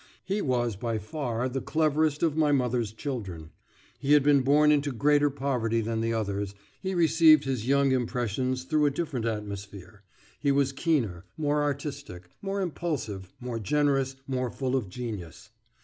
He was by far the cleverest of my mother's children. He had been born into greater poverty than the others; he received his young impressions through a different atmosphere; he was keener, more artistic, more impulsive, more generous, more full of genius.